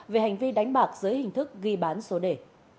về hành vi đánh bạc dưới hình thức ghi bán số đề